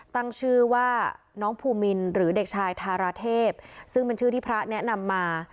ตั้งชื่อว่าน้องภูมินหรือเด็กชายธาราเทพซึ่งเป็นชื่อที่พระแนะนำมา